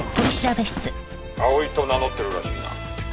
「葵と名乗ってるらしいな」